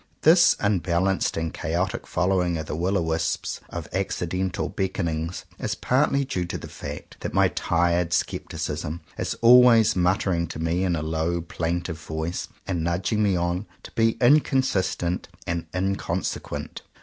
This un 140 JOHN COWPER POWYS balanced and chaotic following of the will o' wisps of accidental beckonings, is partly due to the fact that my tired scepticism is always muttering to me in a low plaintive voice, and nudging me on, to be inconsistent and inconsequent.